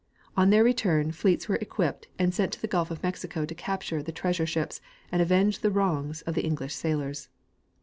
On their return, fleets Avere equipped and sent to the gulf of Mexico to capture the treasure ships and avenge the wrongs of the English sailors.